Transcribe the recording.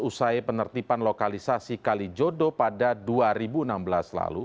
usai penertiban lokalisasi kalijodo pada dua ribu enam belas lalu